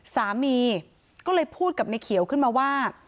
สามีก็เลยพูดกับในเขียวขึ้นมาว่า